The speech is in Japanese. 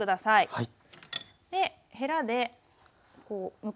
はい。